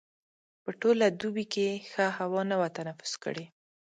په ټوله دوبي کې ښه هوا نه وه تنفس کړې.